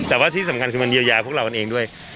แต่ว่าที่สำคัญคือมันเยียวยาพวกเรากันเองด้วย